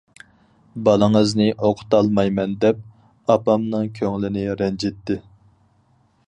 بالىڭىزنى ئوقۇتالمايمەن دەپ، ئاپامنىڭ كۆڭلىنى رەنجىتتى.